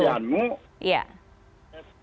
orang yang menyampaikan itu orangnya sianu